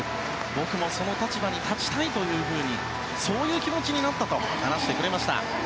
僕もその立場に立ちたいという気持ちになったと話してくれました。